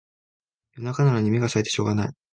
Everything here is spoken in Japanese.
夜中なのに目がさえてしょうがない